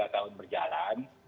dua tiga tahun berjalan